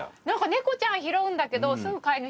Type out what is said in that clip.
猫ちゃん拾うんだけどすぐ飼い主さん見つかる。